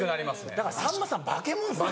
だからさんまさん化け物ですよ。